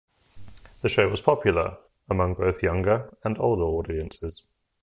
The show was popular among both younger and older audiences.